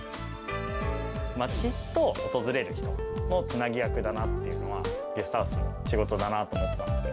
町と訪れる人のつなぎ役だなっていうのは、ゲストハウスの仕事だなと思ったんですよ。